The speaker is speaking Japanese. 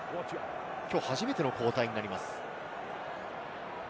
きょう初めての交代になります。